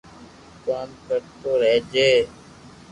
ڪوم ڪرتو رھجي